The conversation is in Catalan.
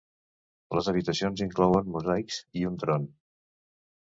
Les habitacions inclouen mosaics i un tron.